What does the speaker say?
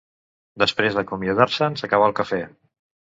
Després d'acomiadar-se'n, s'acaba el cafè.